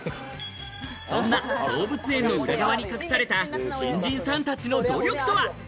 そんな動物園の裏側に隠された新人さんたちの努力とは。